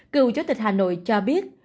cựu chủ tịch hà nội cho biết